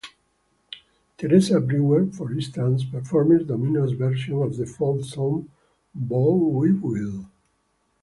Teresa Brewer, for instance, performed Domino's version of the folk song "Bo Weevil".